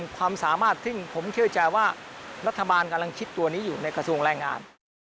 กำลังคิดตัวนี้อยู่ในกระทรวงแรงงาน